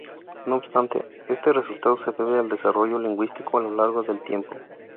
No obstante, este resultado se debe al desarrollo lingüístico a lo largo del tiempo.